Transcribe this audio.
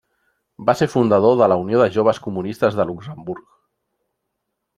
Va ser fundador de la Unió de Joves Comunistes de Luxemburg.